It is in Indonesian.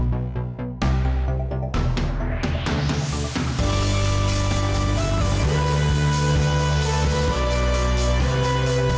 tak hanya sekalan petang seluruh kota juga kaya